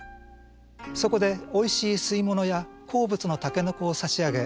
そこでおいしい吸いものや好物のタケノコを差し上げ